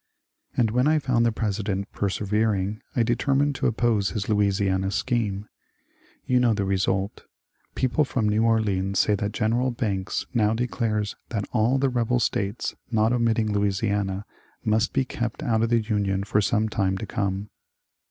And when I found the President persevering, I determined to oppose his Louisiana scheme. You know the result Peo ple from New Orleans say that Gen. Banks now declares ^^ that all the rebel States, not omitting Louisiana, must be kept out of the Union for some time to come."